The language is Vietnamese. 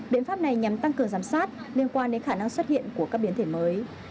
biện pháp này nhằm tăng cường giám sát liên quan đến khả năng xuất hiện của các biến thể mới